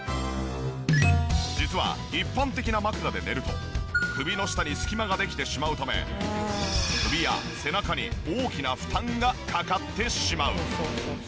実は一般的な枕で寝ると首の下に隙間ができてしまうため首や背中に大きな負担がかかってしまう。